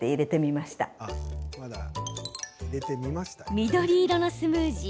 緑色のスムージー。